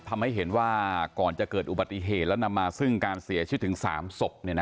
ทำให้เห็นว่าก่อนจะเกิดอุบัติเหตุแล้วนำมาซึ่งการเสียชีวิตถึง๓ศพ